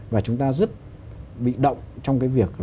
và chúng ta rất bị động trong cái việc